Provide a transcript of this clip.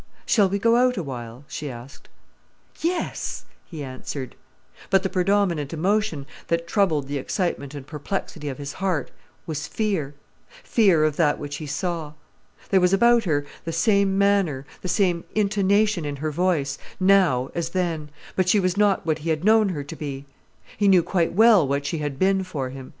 "Shall we go out awhile?" she asked. "Yes!" he answered. But the predominant emotion, that troubled the excitement and perplexity of his heart, was fear, fear of that which he saw. There was about her the same manner, the same intonation in her voice, now as then, but she was not what he had known her to be. He knew quite well what she had been for him.